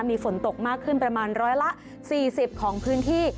มีฝนตกมากขึ้นประมาณร้อยละ๔๐ของพื้นที่